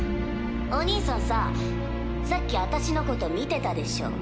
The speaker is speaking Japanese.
おにいさんささっき私のこと見てたでしょ？